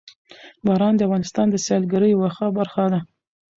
باران د افغانستان د سیلګرۍ یوه ښه برخه ده.